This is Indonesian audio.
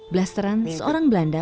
belas terang seorang belanda